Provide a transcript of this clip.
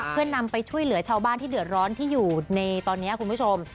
เพื่อนำไปช่วยเหลือชาวบ้านที่เดือดร้อนที่อยู่ในตอนนี้คุณผู้ชม